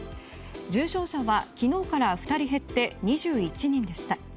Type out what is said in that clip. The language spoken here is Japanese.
重症者は昨日から２人減って２１人でした。